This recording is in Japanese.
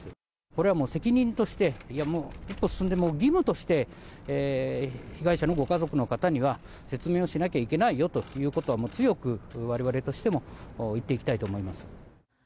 これはもう責任として、いやもう、一歩進んで義務として、被害者のご家族の方には説明をしなきゃいけないよということは、もう強く、われわれとしても言っていきたいと思います。